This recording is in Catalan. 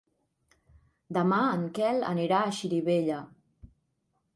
Demà en Quel anirà a Xirivella.